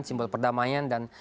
simbol perdamaian dan